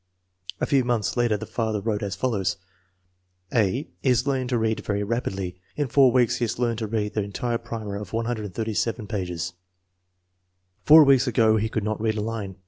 A few months later the father wrote as follows :" A. is learning to read very rapidly. In four weeks he has learned to read the entire primer of 187 pages. Four weeks ago he could not read a line."